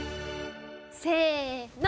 せの！